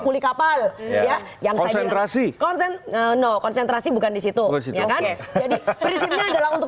pulih kapal ya yang saya bilang konsen no konsentrasi bukan disitu ya kan jadi prinsipnya adalah untuk